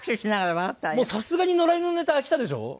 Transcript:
もうさすがに野良犬のネタ飽きたでしょう？